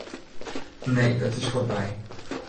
Nee, it is fuortby.